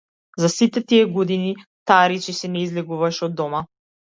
За сите тие години, таа речиси не излегуваше од дома.